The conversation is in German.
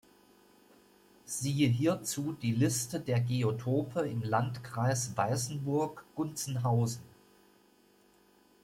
Siehe hierzu die Liste der Geotope im Landkreis Weißenburg-Gunzenhausen.